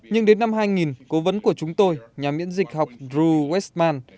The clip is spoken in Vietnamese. nhưng đến năm hai nghìn cố vấn của chúng tôi nhà miễn dịch học drew westman